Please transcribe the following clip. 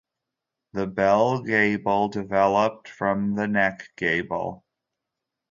The bell gable developed from the neck gable.